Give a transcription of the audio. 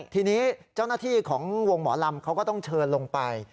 ทีนี้เจ้าหน้าที่ของวงหมอลำเขาก็ต้องเชิญลงไป